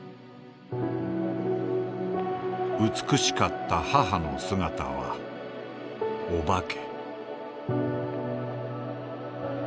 「美しかった母の姿はお化け」。